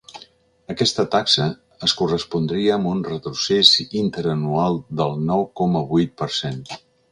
Aquesta taxa es correspondria amb un retrocés interanual del -nou coma vuit per cent.